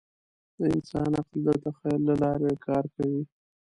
د انسان عقل د تخیل له لارې کار کوي.